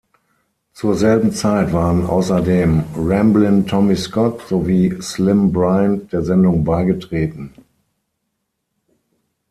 Zur selben Zeit waren außerdem Ramblin’ Tommy Scott sowie Slim Bryant der Sendung beigetreten.